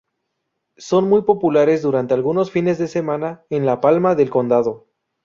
Son muy populares durante algunos fines de semana en La Palma del Condado.